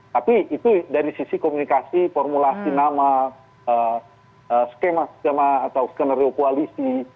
tapi itu dari sisi komunikasi formulasi nama skema skema atau skenario koalisi